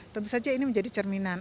tentu saja ini menjadi cerminan